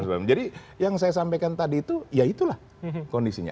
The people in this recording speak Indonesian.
yang saya sampaikan tadi itu ya itulah kondisinya